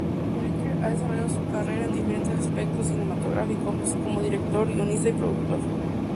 Winkler ha desarrollado su carrera en diferentes aspectos cinematográficos, como director, guionista y productor.